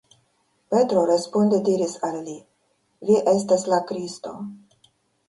Petro responde diris al li: Vi estas la Kristo.